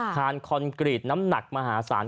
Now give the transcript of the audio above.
ทานคอนกรีตทานน้ำหนักมหาศาล